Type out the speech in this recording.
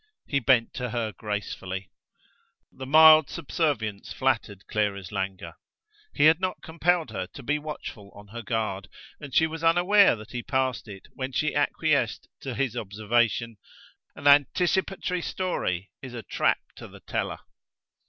He bent to her gracefully. The mild subservience flattered Clara's languor. He had not compelled her to be watchful on her guard, and she was unaware that he passed it when she acquiesced to his observation, "An anticipatory story is a trap to the teller."